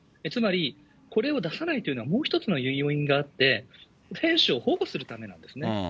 つまり、これを出さないというのは、もう一つの要因があって、選手を保護するためなんですね。